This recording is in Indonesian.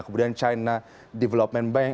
kemudian china development bank